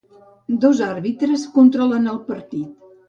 Dos àrbitres controlen el partit.